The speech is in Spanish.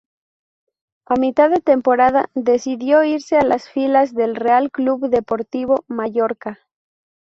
A mitad de temporada, decidió irse a las filas del Real Club Deportivo Mallorca.